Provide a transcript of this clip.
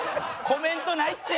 コメントないって！